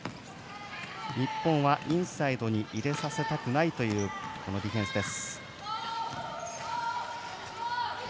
日本はインサイドに入れさせたくないというディフェンスです。